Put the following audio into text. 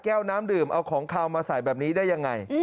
น้ำดื่มเอาของขาวมาใส่แบบนี้ได้ยังไง